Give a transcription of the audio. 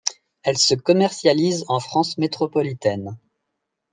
Elle se commercialise en France métropolitaine.